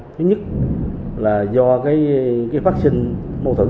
thứ nhất là do phát sinh mâu thuẫn